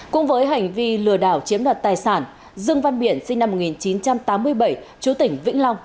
cùng với hành vi lừa đảo chiếm đoạt tài sản dương văn biển sinh năm một nghìn chín trăm tám mươi bảy chú tỉnh vĩnh long